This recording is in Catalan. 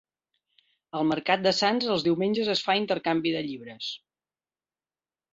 Al mercat de Sants els diumenges es fa intercanvi de llibres.